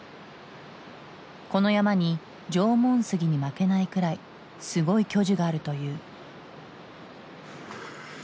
この山に縄文杉に負けないくらいすごい巨樹があるという。